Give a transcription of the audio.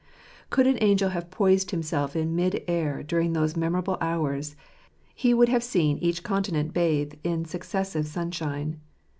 Could an angel have poised himself in mid air during those memorable hours, he would have seen each continent bathed in successive sunshine.